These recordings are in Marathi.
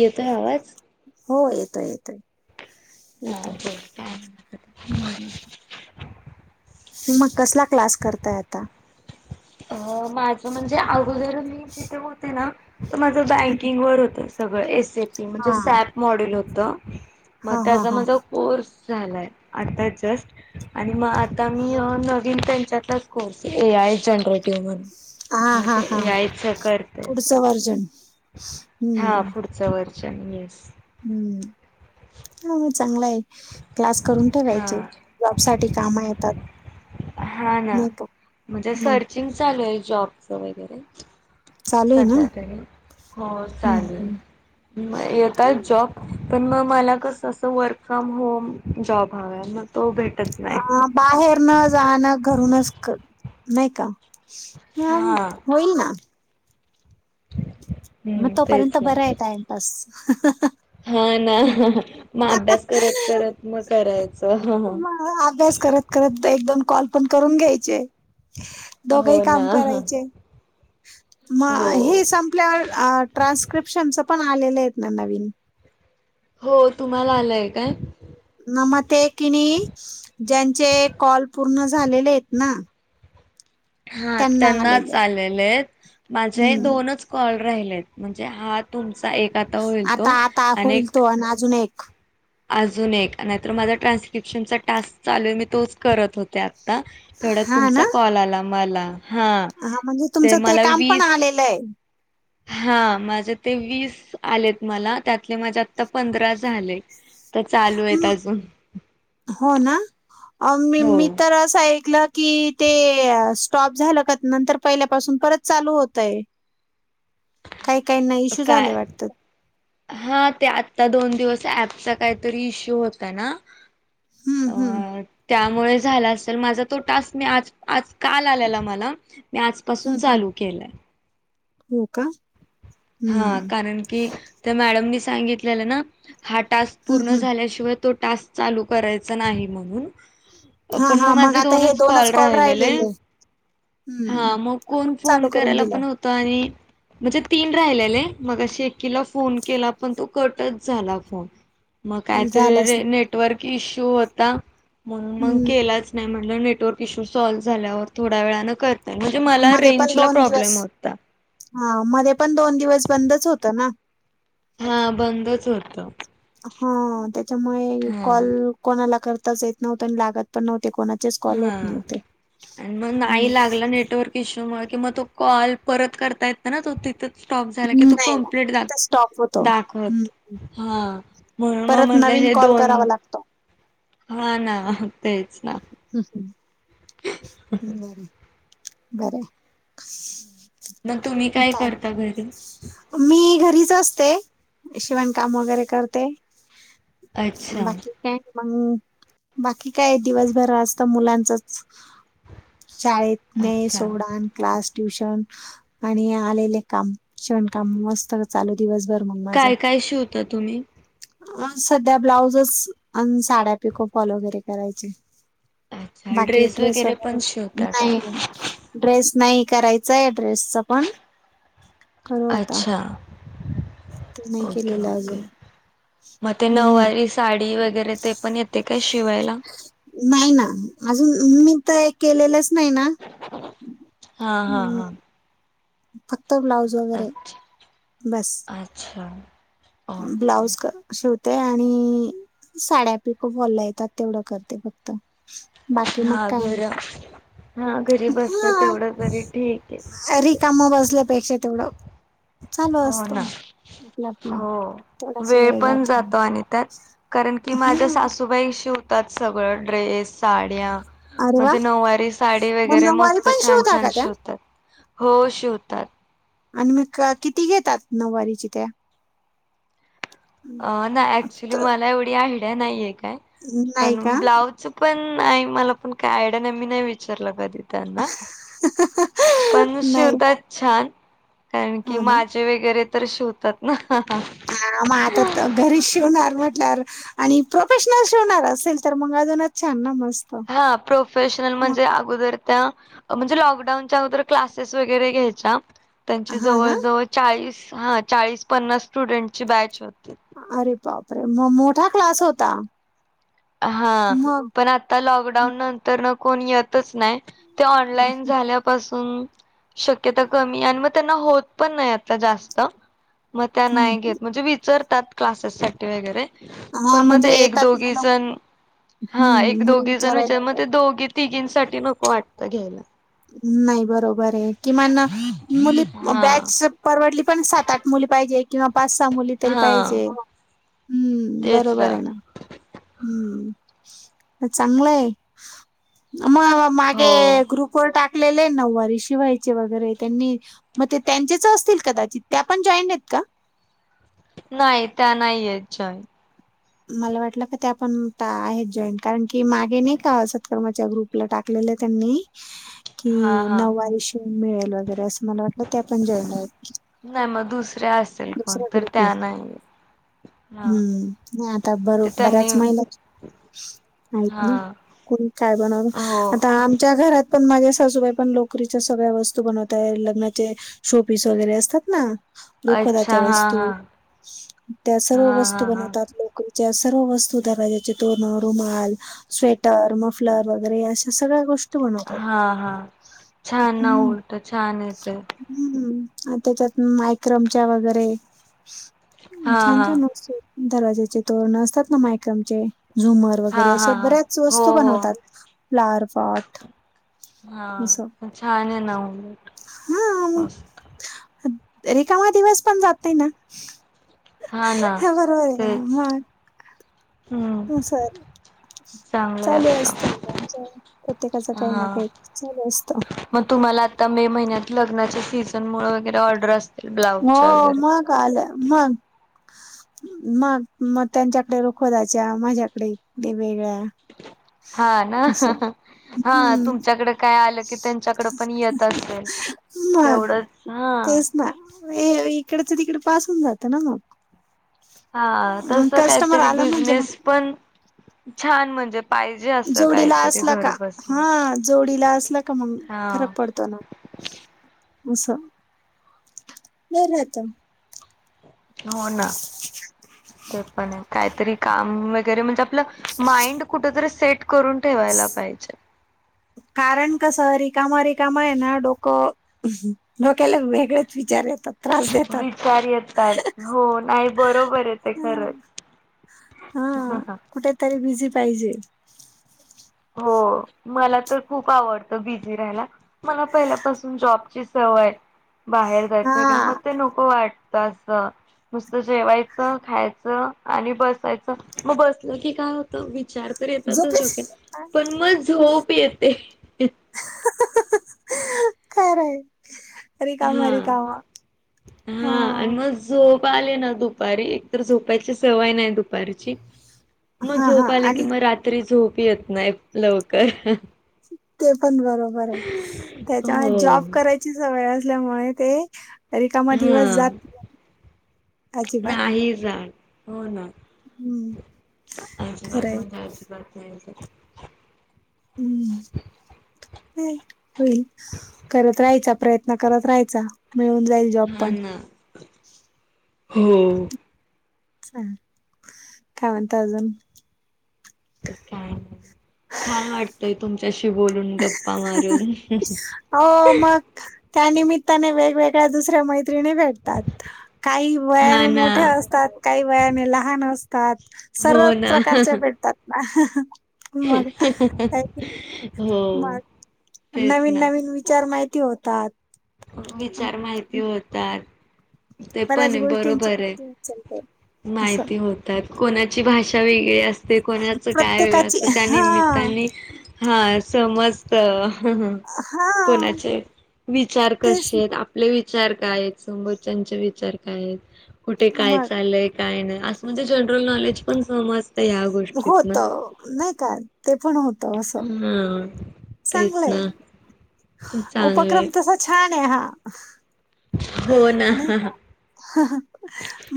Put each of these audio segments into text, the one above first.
येतोय आवाज? हो येतोय येतोय. हा येतोय बोल काय म्हणत होती? हम्म म कसला क्लास करताय आता? अ माझं म्हणजे अगोदर मी जिथे होते ना त माझं हम्म. बँकिंग वर होत सगळं एस ए पी म्हणजे हा सॅप मॉडल होतं. म हा हा त्याचा हा माझा कोर्स झालाय, आता जस्ट आणि म आता मी नवीन त्यांच्यातच कोर्स ए आय जनरेट हा [unintelligible] हा ते हा ए आयचं करते. पुढचं वर्जन हा हम्म पुढचं वर्चन येस. हम्म हा मं चांगला आहे, क्लास करून हा ठेवायचे. जॉब साठी कामा येतात. हा ना नाही का म्हणजे मग सरचिंगचा जॉबचं वगैरे चालू आहे ना सध्या तरी हो चालेल हम्म म काय जॉब पण मग मला कसं असं वर्क फ्रॉम होम जॉब हवाय मग तो भेटत नाही. अं बाहेर न जाणं घरूनच नाही क हा होईल ना. मग हम्म तोपर्यंत तेच ना बराय टाइमपास. ह ह हा ना मग अभ्यास करत करत मग करायचं. हा हा मग अभ्यास करत करत एक दोन कॉल पण करून घ्यायचे, दोघही हो ना काम करायचे. म हो हे संपल्यावर ट्रान्स्क्रिप्शनचं पण आलेलं आहेत ना नवीन. हो तुम्हाला आलंय काय? ना म ते कि नही ज्यांचे कॉल पूर्ण झालेले आहेत ना हा त्यांनाच आलेले आहेत माझे हम्म दोनच कॉल राहिलेत म्हणजे हा तुमचा एक आता होईल आता तो आता आणि होईल एक तो आणि अजून एक अजून एक नाहीतर माझा ट्रान्स्क्रिप्शनचा टास्क चालू आहे मी तोच करत होते आत आ तेवढ्यात हा तुमचा ना कॉल आला मला हा म्हणजे तुमचं ते मला काम पण वीस आलेलय हा माझे ते वीस आलेत मला त्यातले माझे आता पंधरा झाले तर चालू आहेत अजून हो ना हो मी तर असं ए कल की ते स्टॉप झालं का नंतर पहिल्यापासून परत चालू होतयं काय वाटतात हा ते आत्ता दोन दिवस ॲपचा काहीतरी इश्यू होता ना हम्म हम्म होय झालं असलं माझा तो टास्क मी आज आज काल आलेला मला मी आजपासून हम्म हम्म चालू केलंय हो का हा हम्म कारण की त्या मॅडमनी सांगितलेलं ना हा टास्क हम्म पूर्ण हम्म झाल्याशिवाय तो टास्क चालू करायचा नाही म्हणून पण मग माझे दोनच कॉल राहिलेले हा हम्म मग कोण फोन चालू करून करायला पण दिलं नव्हतं आणि तीन राहिलेले मगाशी एकीला फोन केला पण तो कटच झाला फोन मग झालंच कायतरी नाही नेटवर्क इश्यू होता म्हणून मग हम्म केलाच नाही म नेटवर्क इशू सॉल्व्ह झाल्यावर थोड्या वेळान कर मधे पण दोन दिवस हा मधे पण दोन दिवस बंदच होतं ना हा बंदच होतं हो त्याच्यामुळे हा कॉल कोणाला करताच येत नव्हता आणि लागत पण नवत हा आणि मग नाय हम्म लागलं नेटवर्क इश्यू म मग तो कॉल परत करता येत ना तो तिथून स्टॉप झाला की तू नाही ना कंप्लीट दाख तिथं स्टॉप होतो दाखवत हम्म हा म्हणून मग परत म्हणलं नवीन हे कॉल दोन करावा लागतो हा ना तेच ना हम् मग तुम्ही काय करता घरी मी घर रीच असते शिवण काम वगैरे करते अच्छा बाकी काय मग बाकी काय दिवसभर असत मुलांचच. शाळेत न अच्छा सोडान क्लास ट्युशन आणि आलेले कामण काम मस्त चालू दिवसभर मग माझं काय काय शिवता तुम्ही? सध्या ब्लाउजच अन साड्या पिको फॉल वगैरे करायचे. अच्छा बाकी ड्रेस वगैरे पण शिवता काय नाही ड्रेस नाही करायचं आय ड्रेसचं पण करू आता अच्छा. ते नाही केलेलं अजून. म ते हम्म नऊवारी साडी वगैरे ते पण येते काय शिवायला. नाही ना अजून मी तर केलेलेच. हा हा हम्म हा. फक्त ब्लाउज वगैरे अच्छा बस. अच्छा ब्लाउज ओके क शिव ते आणि साड्या पिको फॉलला येतात तेवढं करते फक्त. बाकी मग हा काय घर नी. हा घरी बसलं तेवढं तरी ठीक आहे. हा रिकामं बसल्यापेक्षा तेवढं चालू हो असतो. ना हो वेळ पण जातो आणि त्यात कारण की माझ्या हा सासूबाई शिवतात सगळं ड्रेस साड्या. अरे मण वा नववारी साडी मग वगैरे नऊवारी मस्त पण छान शिवता छान का त्या शिवतात हो शिवतात. आणि मी किती घेतात नऊवारीची त्या नाही ऍक्च्युली मला एवढी आड नाहीये काय नाही का पण ब्लाउज पण नाही मला पण काय आयड नेह ममी नाही विचारलं कधी त्यांना पण नाही का शिवताात छान कारण की हो ना माझे वगैरे तर शिवतात ना. हा, मग आता घरी शिवणार म्हटल्यार आणि प्रोफेशनल श होणार असेल तर मग अजूनच छान ना मग. मस्त हा प्रोफेशनल म्हणजे अगोदर म्हणजे लॉकडाऊनच्या अगदर क्लासेस वगैरे घ्यायच्या त्यांची हा जवळ ना जवळ चाळीस हा चाळीस पन्नास स्टुडंटची बॅच होती अरे पाप रे म मोठा क्लास होता. हा मग पण आता लॉकडाऊन नंतर न कोणी येतच नाही. ते ऑनलाइन झाल्यापासून शक्यता कमी आणि मग त्यांना होत पण नाही आ जास्त. मग त्या हं. नाही घेत म्हणजे विचारतात क्लासेस साठी वगैरे पण हां, मग म्हणजे एक येतात दोघी मुलं जण हा एक हं, मुली दोघी जण विचार विचारायला मग येतात. ते दोघी तिघींसाठी नको वाटतं घ्यायला. नाही बरोबर आहे किमान मुली हा बॅच परवडली पण सात आठ मुली पाहिजे किंवा पाच सहा मुली तरी हा पाहिजे. हम्म बरोबर आहे ना. हम्म चांगलं आहे मग मागे हो ग्रुप टाक नारी शिवाय वरे त्यां मग त्यांचेच असतील कदाचित त्या पण जॉईंट आहेत का. नाही त्या नाही याच्याय. मला वाटलं का ते आपण आहेत जॉईन कारण की मागे नाही का सत्कर्म च्या ग्रुपला टाकलेलं त्यांनी कि हा हा नऊवारी श मिळेल वगैरे असं मला वाटलं त्या पण जॉईन आहेत की नाही मग दुसऱ्या असेल कोण तर त्या नाही. हा हम्म नाही आता बरो ते त्यांनी बऱ्याच महिला आहेत हा ना कोणी काय बनवलं हो आता आमच्या घरात पण माझ्या सासूबाई पण लोकरीच्या सगळ्या वस्तू बनवताय लग्नाचे शोपीस वगैरे असतात ना? रुखवताच्या अच्छा हा वस्तू हा त्या सर्व हा वस्तू हा बनवतात लोकरी सर्व वस्तू दरवाज्याचे तोरण रुमाल स्वेटर मफलर वगैरे अशा सगळ्या गोष्टी बनवतात. हा हा छान ना हम्म उलट छान येते हम्म त्याच्यात मायक्रमच्या वगैरे हा छान हा छान असतं दरवाज्याचे तोरण असतात ना मायक्रमचे झुमर हा वगैरे अशे हा हा बऱ्याच हो वस्तू हो बनवतात फ्लावर पॉट हा असं छान आहे ना हा मग मस्त रिकामा दिवस पण जातंय ना. हा बरोबर आहे का नाही तेच मग हो सर अच्छा. चालू असतं म्हणजे आमच्या प्रत्येकाच काही ना हा काही चालू असतं. मग तुम्हाला आता मे महिन्यात लग्नाच्या सीझन मुळे वगैरे ऑर्डर असतात. हो मग आलं मग मग मग त्यांच्याकडे रुखवताच्या माझ्याकडे वेगवेगळ्या हा ना असं हा हम्म तुमच्याकडे काय आलं की त्यांच्याकड पण येत असेल मग तेवढंच हा तेच ना तिकडचं तिकडंच पास हून जातं ना मग हा तसं कस्टमर काहीतरी आला म्हणजे बिझनेस मग पण छान म्हणजे पाहिजे असं जोडीला काहीतरी असला का घर बसलं हा जोडीला असला का मग फरक हा पडतो ना असं नाही रात हो ना ते पण आहे काहीतरी काम वगैरे म्हणजे आपलं माइंड कुठ तरी सेट करून ठेवायला पाहिजे कारण कसं रिकामा रिकामा आहे ना डोकं डोक्याला वेगळेच विचार येत विचार येतात हो नाही बरोबर ते खरंच हा हा कुठेतरी बिझी पाहिजे. हो मला तर खूप आवडत बिझी राहिलाय मला पाहिलंय पासून जॉब ची सवय आहे. होय बाहेर हा जायचं वैगरे मग ते नको वाटतं असं. नुसत जेवायचं खायचं आणि बसायचं मग बसलं की काय होतं विचार तर येतातच झोपेच डोकयात पण मग झोप येते. खरं आहे. हा हा आणि हां. मग झोप झोप आली ना दुपारी एक तर झोपायची सवय नाही दुपारीची मग हां, झोप हां. आली कि आणि मग रात्री झोप येत नाही लवकर ते पण बरोबर आहे त्याच्यामुळे हो. जॉब करायची सवय असल्यामुळे ते रीकामा दिवस जात हां. नाही अजिबात नाही जात. हो ना हं, अजिबात खरंय. म्हणजे अजिबात नाही हं, होईल करत राहायचा प्रयत्न करत राहायचा मिळून जाईल जॉब हा पण ना. हो. चला काय म्हणतंय अजून? ते काय नाही छान वाटतंय तुमच्याशी बोलून गप्पा मारून. हो मग त्यानमित्ताने वेगवेगळ्या दुसऱ्या मैत्रिणी मैत्रिणी भेटतात काही वयाने हा ना. मोठ्या असतात काही वयाने लहान असतात. सर्व हो ना. प्रकारचे भेटतात ना? मग हो. मग तेच नवीन ना. नवीन विचार माहिती होतात. विचार माहिती होतात. ते पण बऱ्याच हे गोष्टींची बरोबर आहे. माहिती उचलते असं माहिती होतात. कोणाची भाषा वेगळी अस ते कोणाच काय वेगळं प्रत्येकाची असतं हा त्यानिमित्तानी समजतं हा कोणाचे विचार तेच कशेत आपले विचार काय आहेत, समोरच्यानचे विचार काय आहेत? कुठे काय मग चाललंय? काय नाही. असं म्हणजे जनरल नॉलेज पण समजतं ह्या गोष्टीत होतं नाही का ते पण हो हम चांगलय. चांगलंय उपक्रम तसा छान आहे हा. हो ना नाही.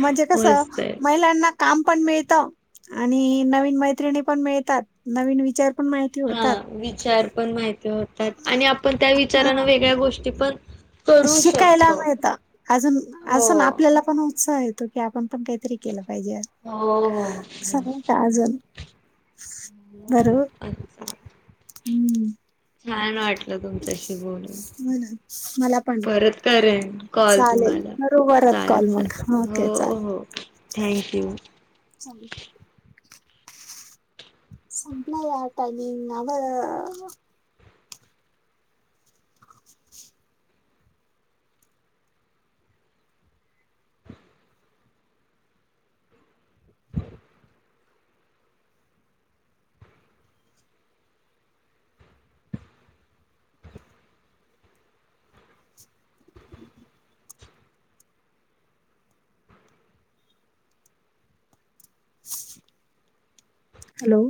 म्हणजे कसं मस्त आहे महिलांना काम पण मिळत आणि नवीन मैत्रिणी पण मिळतात. नवीन विचार पण माहिती हा होतात. विचार पण माहिती होतात आणि आपण त्या हा विचारानं वेगळ्या गोष्टी पण करू शिकायला शकतो मिळतं. अजून अजून हो. आपल्याला पण उत्साह येतो की आपण पण काहीतरी केलं पाहि हो हो हो. पाहिजेज सगळं ताज बरोबर अच्छा हम्म छान वाटलं तुमच्याशी बोलून. म्हणून मला पण परत करेन कॉल चालेल तुम्हाला करू परत चालेल कॉल मग चालेल हो ओके चालेल. हो. Thank you. [inaudible] संपलं या आटनी नाव अ हॅलो.